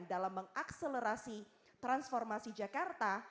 dalam mengakselerasi transformasi jakarta